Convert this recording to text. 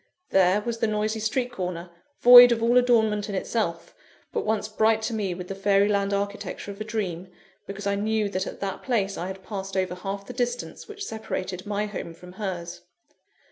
There was the noisy street corner, void of all adornment in itself, but once bright to me with the fairy land architecture of a dream, because I knew that at that place I had passed over half the distance which separated my home from hers.